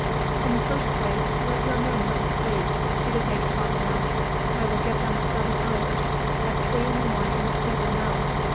"In the first place, let your men have a sleep. It is eight o'clock now. I will give them seven hours. At three in the morning, we will mount.